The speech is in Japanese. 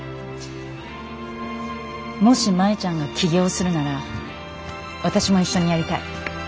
もし舞ちゃんが起業するなら私も一緒にやりたい。